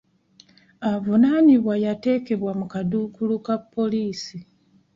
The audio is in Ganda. Avunaanibwa yateekebwa mu kaduukulu ka poliisi.